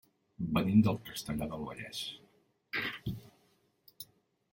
Venim de Castellar del Vallès.